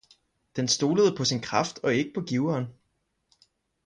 den stolede paa sin Kraft og ikke paa Giveren.